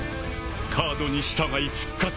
カードに従い復活する。